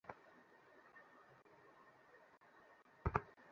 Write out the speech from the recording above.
নৌকা আনিতে যে বিলম্ব হইয়াছিল, ভর্ৎসনা করিতে তাহার তিন গুণ বিলম্ব হইল।